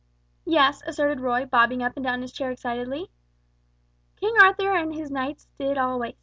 "Yes," asserted Roy, bobbing up and down in his chair excitedly; "King Arthur and his knights did always.